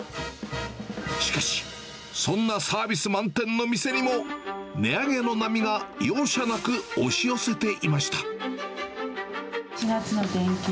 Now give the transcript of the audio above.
しかし、そんなサービス満点の店にも、値上げの波が容赦なく押し寄せていました。